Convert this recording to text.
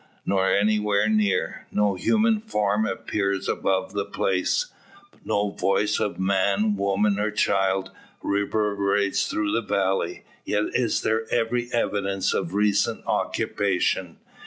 Nor anywhere near. No human form appears about the place; no voice of man, woman, or child, reverberates through the valley. Yet is there every evidence of recent occupation.